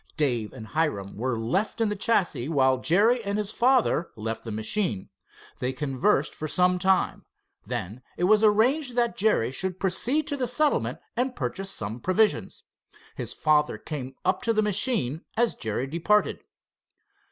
Dave and Hiram were left in the chassis, while Jerry and his father left the machine. They conversed for some time, then it was arranged that Jerry should proceed to the settlement and purchase some provisions. His father came up to the machine as Jerry departed.